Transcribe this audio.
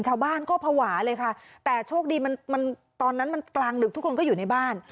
ชาวบ้านก็ภาวะเลยค่ะแต่โชคดีมันมันตอนนั้นมันกลางดึกทุกคนก็อยู่ในบ้าน